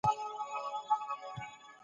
د هغې فکر د هغې له دریځ څخه لوړ و.